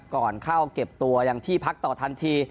ก่อนเข้าเก็บตัวอย่างที่พักต่อทันที